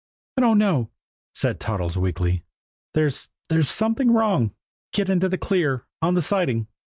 "I don't know," said Toddles weakly. "There's there's something wrong. Get into the clear on the siding."